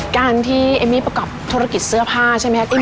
การที่เอมมี่ประกอบธุรกิจเสื้อผ้าใช่ไหมครับ